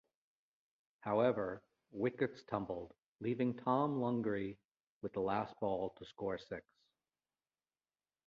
However, wickets tumbled, leaving Tom Lungley with the last ball to score six.